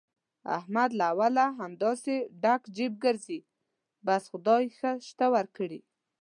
احمد له اوله همداسې ډک جېب ګرځي، بس خدای ښه شته ورکړي.